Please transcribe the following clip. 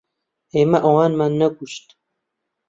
ئێمە ئەوانمان نەکوشت.